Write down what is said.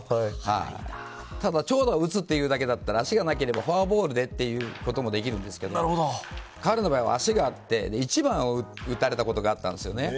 ただ長打を打つというだけだったら足がなければフォアボールでということもできるんですけど彼の場合は足があって１番を打たれたことがあったんですよね。